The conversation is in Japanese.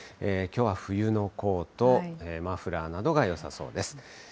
きょうは冬のコート、マフラーなどがよさそうです。